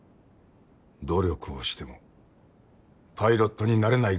努力をしてもパイロットになれない学生はいる。